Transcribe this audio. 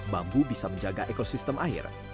bambu bisa menjaga ekosistem air